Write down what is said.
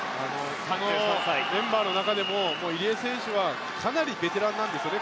このメンバーの中でも入江選手はかなりベテランなんですよね